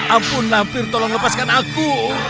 ampun lah fir tolong lepaskan aku